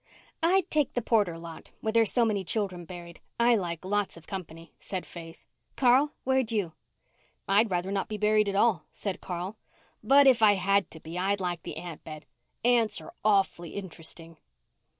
"I'd take the Porter lot where there's so many children buried. I like lots of company," said Faith. "Carl, where'd you?" "I'd rather not be buried at all," said Carl, "but if I had to be I'd like the ant bed. Ants are awf'ly int'resting."